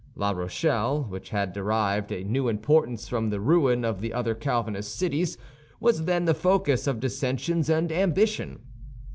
La Rochelle, which had derived a new importance from the ruin of the other Calvinist cities, was, then, the focus of dissensions and ambition.